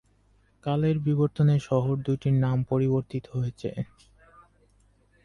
কালের বিবর্তনে শহর দুইটির নাম পরিবর্তিত হয়েছে।